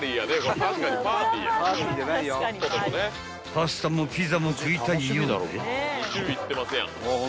［パスタもピザも食いたいようで］